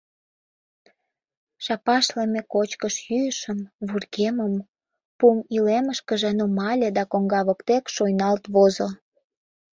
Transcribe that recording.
Шапашлыме кочкыш-йӱышым, вургемым, пум илемышкыже нумале да коҥга воктек шуйналт возо.